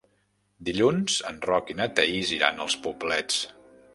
Dilluns en Roc i na Thaís iran als Poblets.